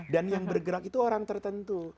dan yang bergerak itu orang tertentu